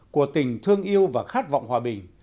của tình thương yêu và khát vọng hòa bình